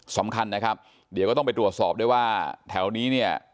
สำคัญนะครับเดี๋ยวก็ต้องไปตรวจสอบด้วยว่าแถวนี้เนี่ย